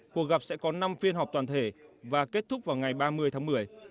cuộc gặp sẽ có năm phiên họp toàn thể và kết thúc vào ngày ba mươi tháng một mươi